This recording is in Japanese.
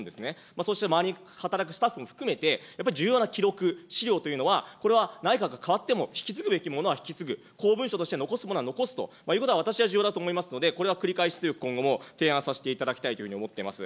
そうした周りに働くスタッフも含めて、やっぱり重要な記録、資料というのは、これは内閣がかわっても、引き継ぐべきものは引き継ぐ、公文書として残すものは残すということは、私は重要だと思いますので、これは繰返して、今後も提案させていただきというふうに思っています。